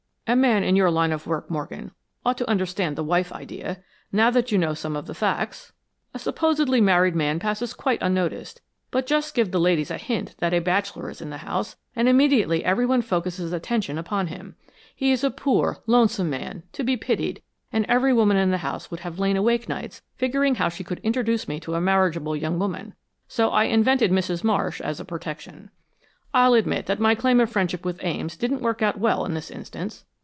"A man in your line of work, Morgan, ought to understand the wife idea, now that you know some of the facts. A supposedly married man passes quite unnoticed, but just give the ladies a hint that a bachelor is in the house and immediately everyone focuses attention upon him. He is a poor, lonesome man, to be pitied, and every woman in the house would have lain awake nights figuring how she could introduce me to a marriageable young woman. So I invented Mrs. Marsh as a protection." "I'll admit that my claim of friendship with Ames didn't work out well in this instance.